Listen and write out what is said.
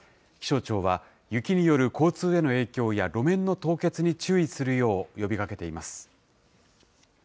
気象庁は、雪による交通への影響や、路面の凍結に注意するよう呼びかけています。